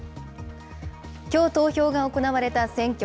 きょう投票が行われた選挙。